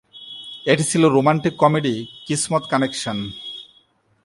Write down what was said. এটি ছিল romantic comedy "Kismat connection".